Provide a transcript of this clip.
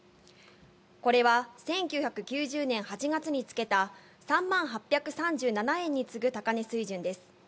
これは１９９０年８月につけた３万８３７円に次ぐ高値水準です。